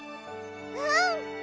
うん！